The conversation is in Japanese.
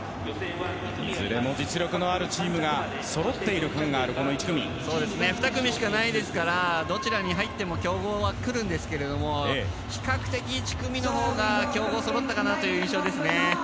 いずれも実力のあるチームが２組しかないですから、どちらに入っても強豪は来るんですけれど、比較的１組のほうが強豪がそろったかなという印象ですね。